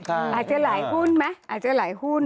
อาจจะหลายหุ้นไหมอาจจะหลายหุ้น